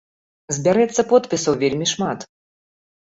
Збярэцца подпісаў вельмі шмат.